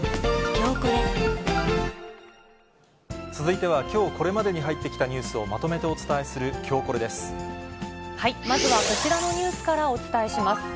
続いては、きょうこれまでに入ってきたニュースをまとめてお伝えするきょうまずはこちらのニュースからお伝えします。